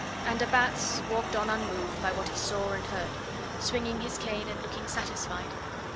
And de Batz walked on unmoved by what he saw and heard, swinging his cane and looking satisfied.